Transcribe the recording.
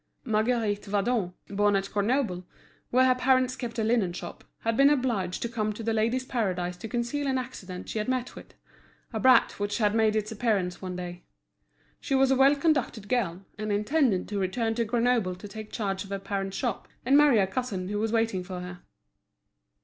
Marguerite Vadon, born at Grenoble, where her parents kept a linen shop, had been obliged to come to The Ladies' Paradise to conceal an accident she had met with—a brat which had made its appearance one day. She was a well conducted girl, and intended to return to Grenoble to take charge of her parents' shop, and marry a cousin who was waiting for her.